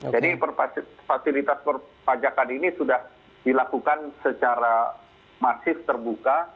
jadi fasilitas perpajakan ini sudah dilakukan secara masif terbuka